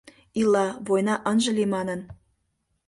Ила, война ынже лий манын.